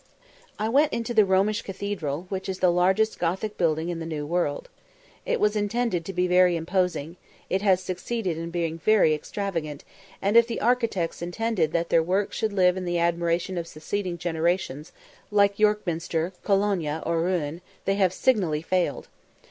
I went into the Romish cathedral, which is the largest Gothic building in the New World. It was intended to be very imposing it has succeeded in being very extravagant; and if the architects intended that their work should live in the admiration of succeeding generations, like York Minster, Cologne, or Rouen, they have signally failed.